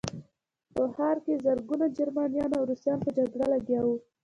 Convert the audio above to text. په ښار کې زرګونه جرمنان او روسان په جګړه لګیا وو